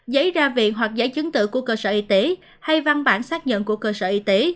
giấy ra viện hoặc giấy chứng tự của cơ sở y tế hay văn bản xác nhận của cơ sở y tế